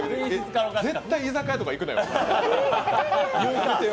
絶対、居酒屋とか行くなよ。